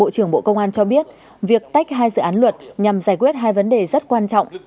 công an cho biết việc tách hai dự án luật nhằm giải quyết hai vấn đề rất quan trọng